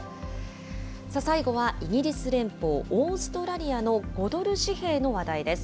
最後は、イギリス連邦、オーストラリアの５ドル紙幣の話題です。